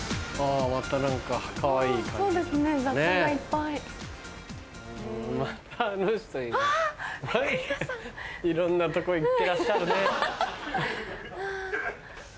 いろんなとこ行ってらっしゃるね。